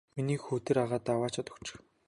Миний хүү тэр агаадаа аваачаад өгчих.